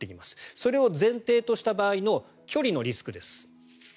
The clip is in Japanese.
それを前提とした場合の距離のリスクです。